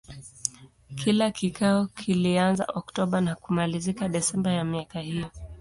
Kila kikao kilianza Oktoba na kumalizika Desemba ya miaka hiyo.